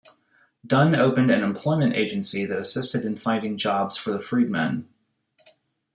Dunn opened an employment agency that assisted in finding jobs for the freedmen.